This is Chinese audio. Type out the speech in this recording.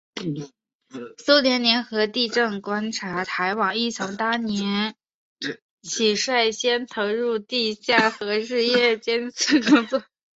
苏联联合地震观测台网亦从当年起率先投入地下核试验监测工作。